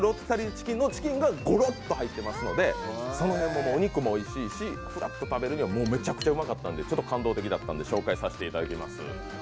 チキンのチキンがゴロッと入ってますのでお肉もおいしいしふらっと食べるにはめちゃくちゃうまくて感動的だったので紹介させていただきます。